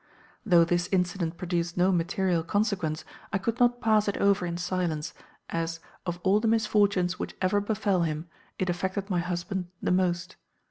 "Though this incident produced no material consequence, I could not pass it over in silence, as, of all the misfortunes which ever befel him, it affected my husband the most.